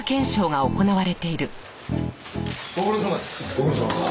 ご苦労さまです。